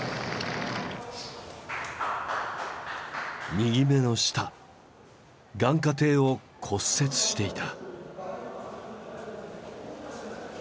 右目の下眼窩底を骨折していた。